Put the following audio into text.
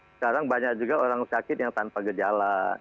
sekarang banyak juga orang sakit yang tanpa gejala